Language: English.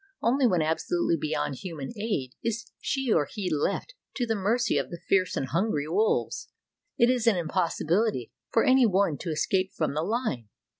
Only when absolutely beyond human aid is she or he left to the mercy of the fierce and hungry wolves. It is an impossibility for any one to escape from the line.